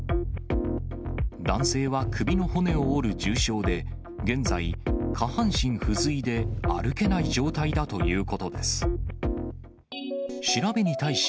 男性は首の骨を折る重傷で、現在、下半身不随で歩けない状態だということです。